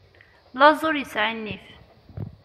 Laẓ ur yesɛi nnif.